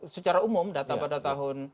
secara umum data pada tahun